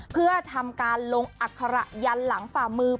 เพื่อทำการลงอัคระยันหลังฝ่ามือ